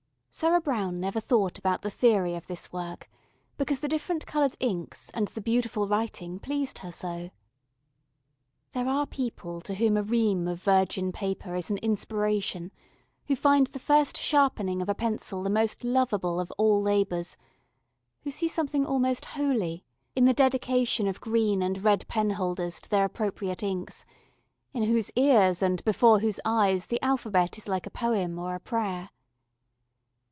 Sarah Brown never thought about the theory of this work, because the different coloured inks and the beautiful writing pleased her so. There are people to whom a ream of virgin paper is an inspiration, who find the first sharpening of a pencil the most lovable of all labours, who see something almost holy in the dedication of green and red penholders to their appropriate inks, in whose ears and before whose eyes the alphabet is like a poem or a prayer.